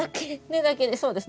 根だけで。